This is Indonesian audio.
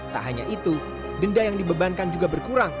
tak hanya itu denda yang dibebankan juga berkurang